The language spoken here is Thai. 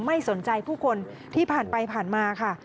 ไม่สนใจผู้คนที่ผ่านไปผ่านมาค่ะ